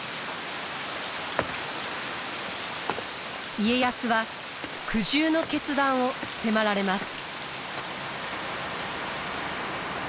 家康は苦渋の決断を迫られます。